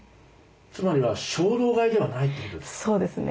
つまりは衝動買いではないってことですか？